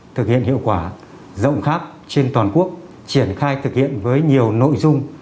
thực hiện hiệu quả rộng khắp trên toàn quốc triển khai thực hiện với nhiều nội dung